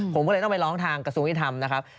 ผมก็เลยต้องไปร้องทางกระทรวงยุทธรรมนะครับ